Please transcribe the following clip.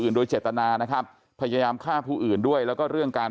โดยเจตนานะครับพยายามฆ่าผู้อื่นด้วยแล้วก็เรื่องการ